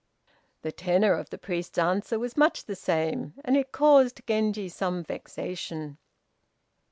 The tenor of the priest's answer was much the same, and it caused Genji some vexation.